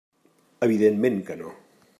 Evidentment que no.